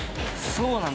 そうなんだ。